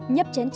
nhấp trái nước